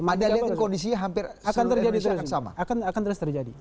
ada kondisinya hampir seluruh indonesia akan sama